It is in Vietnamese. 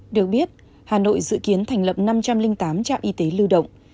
được biết hà nội dự kiến thành lập năm trăm linh tám trạm y tế lưu động